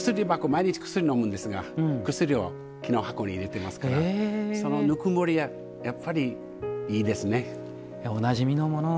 毎日、薬をのむんですが薬を木の箱に入れてますからそのぬくもりは、いいですね。